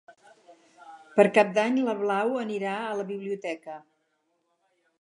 Per Cap d'Any na Blau anirà a la biblioteca.